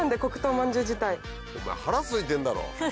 お前腹すいてんだろ。